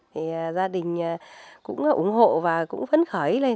thì gia đình cũng ủng hộ và cũng phấn khởi lên